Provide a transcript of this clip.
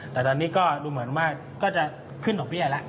แต่ตอนนี้ก็ดูเหมือนว่าก็จะขึ้นดอกเบี้ยแล้ว